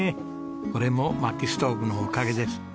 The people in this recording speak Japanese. これも薪ストーブのおかげです。